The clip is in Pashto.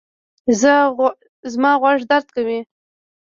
زما غوږ درد کوي